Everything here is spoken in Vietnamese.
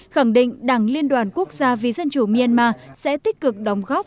khẳng định đảng liên đoàn quốc gia vì dân chủ myanmar sẽ tích cực đóng góp